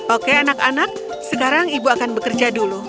oke anak anak sekarang ibu akan bekerja dulu